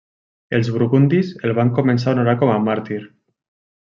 Els burgundis el van començar a honorar com a màrtir.